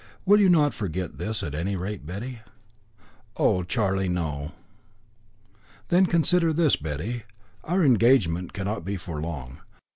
"You will not forget this, at any rate, Betty." "Oh, Charlie, no!" "Then consider this, Betty. Our engagement cannot be for long.